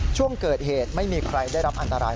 ช่วงเกิดเหตุไม่มีใครได้รับอันตราย